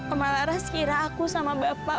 om malaras kira aku sama bapak